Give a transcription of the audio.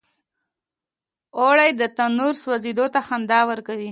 اوړه د تنور سوزیدو ته خندا ورکوي